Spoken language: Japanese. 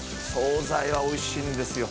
惣菜がおいしいんですよ